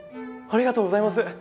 ありがとうございます！